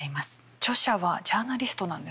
著者はジャーナリストなんですね。